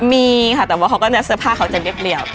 มีค่ะแต่ว่าเขาก็เสื้อผ้าเขาจะเรียบ